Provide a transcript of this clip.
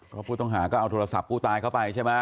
ก็ผู้ต้องหาก็เอาโทรศัพท์ผู้ตายเข้าไปใช่ไหม